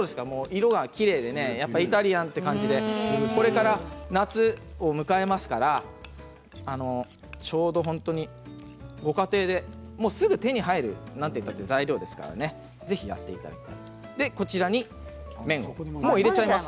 色がきれいでイタリアンという感じでこれから夏を迎えますからちょうど本当にご家庭ですぐ手に入る材料ですからぜひやっていただきたいです。